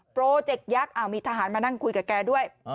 โปรเจกต์ยักษ์มีทหารมานั่งคุยกับแกด้วย